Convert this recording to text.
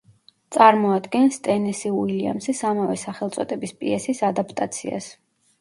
წარმოადგენს ტენესი უილიამსის ამავე სახელწოდების პიესის ადაპტაციას.